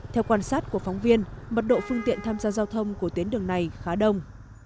theo quan sát của phóng viên mật độ phương tiện tham gia giao thông của tuyến đường này khá đông